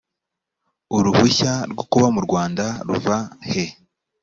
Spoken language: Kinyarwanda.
uruhushya rwo kuba mu rwanda ruva he